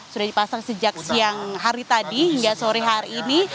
sudah dipasang sejak siang hari tadi hingga sore hari ini